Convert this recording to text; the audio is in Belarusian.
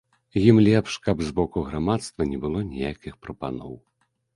Ім лепш, каб з боку грамадства не было ніякіх прапаноў.